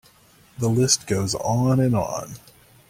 The list goes on and on.